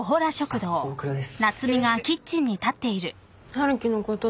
春樹のこと